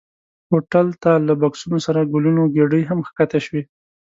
هوټل ته له بکسونو سره ګلونو ګېدۍ هم ښکته شوې.